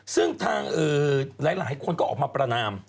ซึ่งทางหลายคนก็ออกมาประนาม